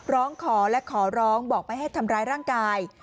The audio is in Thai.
ร้องขอและขอร้องบอกไม่ให้ทำร้ายร่างกาย